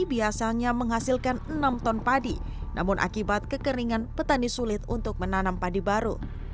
biasanya menghasilkan enam ton padi namun akibat kekeringan petani sulit untuk menanam padi baru